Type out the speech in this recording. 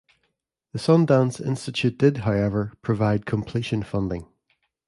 The Sundance Institute did, however, provide completion funding.